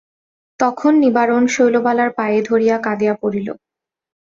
তখন নিবারণ শৈলবালার পায়ে ধরিয়া কাঁদিয়া পড়িল।